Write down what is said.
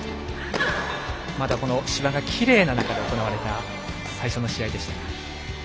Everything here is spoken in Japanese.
この芝がきれいな中で行われた最初の試合でした。